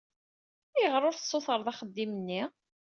Ayɣer ur tessutreḍ axeddim-nni?